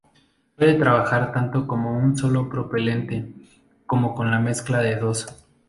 Puede trabajar tanto con un solo propelente como con la mezcla de dos.